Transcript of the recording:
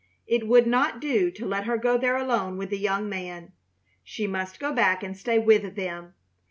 It would not do to let her go there alone with the young man; she must go back and stay with them.